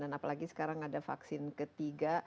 dan apalagi sekarang ada vaksin ketiga